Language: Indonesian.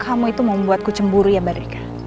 kamu itu mau membuatku cemburu ya badrika